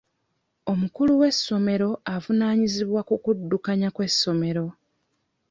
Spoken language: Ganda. Omukulu w'essomero avunaanyizibwa ku kuddukanya kw'essomero.